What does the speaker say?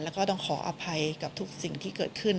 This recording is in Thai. แล้วก็ต้องขออภัยกับทุกสิ่งที่เกิดขึ้น